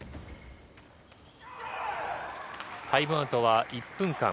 タイムアウトは１分間。